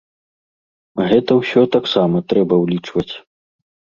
Гэта ўсё таксама трэба ўлічваць.